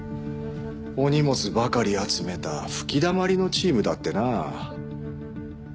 お荷物ばかり集めた吹きだまりのチームだってな。